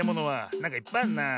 なんかいっぱいあるな。